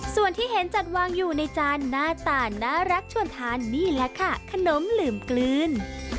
ส่วนที่เห็นจัดวางอยู่ในจานหน้าตาน่ารักชวนทานนี่แหละค่ะขนมลืมกลืน